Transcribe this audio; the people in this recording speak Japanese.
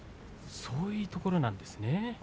そういうところなんですね。